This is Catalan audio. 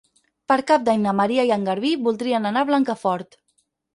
Per Cap d'Any na Maria i en Garbí voldrien anar a Blancafort.